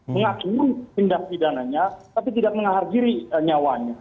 mengakur tindak bidananya tapi tidak mengakhiri nyawanya